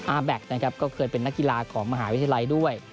อาร์แบคก็เคยเป็นนักกีฬากองมหาวิทยาลัยด้วย